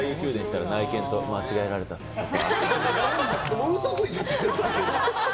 もう嘘ついちゃってる。